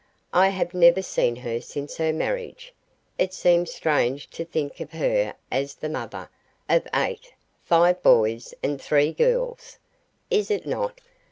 I have never seen her since her marriage. It seems strange to think of her as the mother of eight five boys and three girls, is it not?"